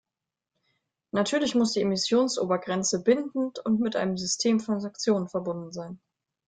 Natürlich muss die Emissionsobergrenze bindend und mit einem System von Sanktionen verbunden sein.